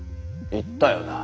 言ったよなぁ。